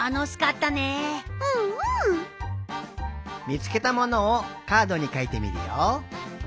みつけたものをカードにかいてみるよ。